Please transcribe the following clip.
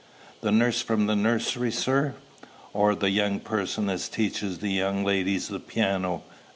"The nurse from the nursery, sir; or the young person as teaches the young ladies the piano?"